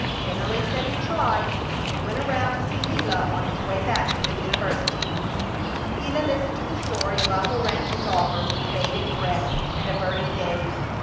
Tennelly said he'd try, and went around to see Gila on his way back to the university. Gila listened to the story of Uncle Ramsey's offer with bated breath and averted gaze.